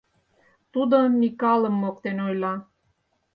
Тудо Микалым моктен ойла.